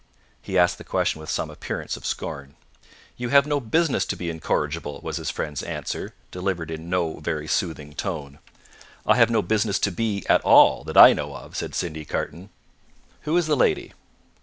He asked the question with some appearance of scorn. "You have no business to be incorrigible," was his friend's answer, delivered in no very soothing tone. "I have no business to be, at all, that I know of," said Sydney Carton. "Who is the lady?"